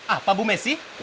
apa bu messi